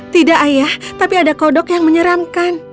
tidak ayah tapi ada kodok yang menyeramkan